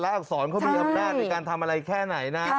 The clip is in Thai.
อักษรเขามีอำนาจในการทำอะไรแค่ไหนนะ